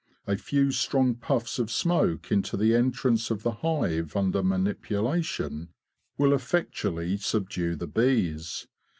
A few strong puffs of smoke into the entrance of the hive under manipulation will effectually subdue the bees.